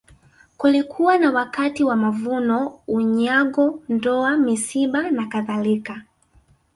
Kulikuwa na wakati wa mavuno unyago ndoa misiba na kadhalika